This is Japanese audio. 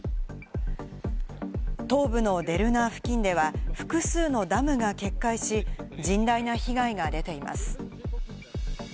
東部のデルナ付近では複数のダムが決壊し、甚大な被害が出ています。